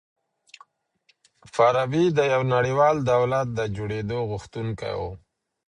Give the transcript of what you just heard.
فارابي د يوه نړيوال دولت د جوړېدو غوښتونکی و.